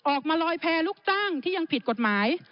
ออกมาลอยแพ้ลูกจ้างที่ยังผิดกฎหมาย